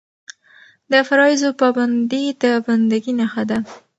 د فرایضو پابندي د بنده ګۍ نښه ده.